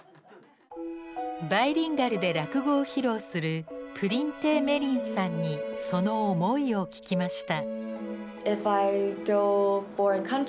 バイリンガルで落語を披露するぷりん亭芽りんさんにその思いを聞きました。